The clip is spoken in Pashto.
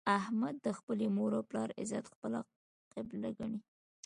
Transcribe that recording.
احمد د خپلې مور او پلار عزت خپله قبله ګڼي.